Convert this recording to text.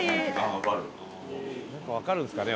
何か分かるんすかね